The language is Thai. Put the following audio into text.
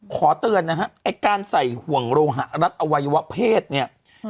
ขอเตือนนะฮะไอ้การใส่ห่วงโรหะรัดอวัยวะเพศเนี่ย